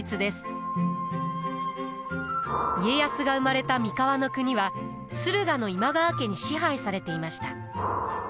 家康が生まれた三河国は駿河の今川家に支配されていました。